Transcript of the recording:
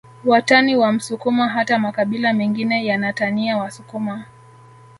Watani wa msukuma hata makabila mengine yanatania wasukuma